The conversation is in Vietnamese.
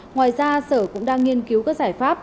ngoài ra sở cũng đang nghiên cứu các giải pháp